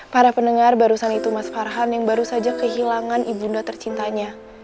para pendengar barusan itu mas farhan yang baru saja kehilangan ibunda tercintanya